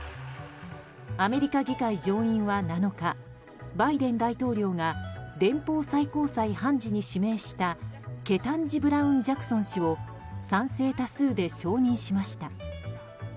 アメリカ議会上院は７日バイデン大統領が連邦最高裁判事に指名したケタンジ・ブラウン・ジャクソン氏を賛成多数で承認しました。